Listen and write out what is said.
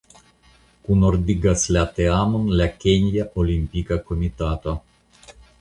Kunordigas la teamon la Kenja Olimpika Komitato.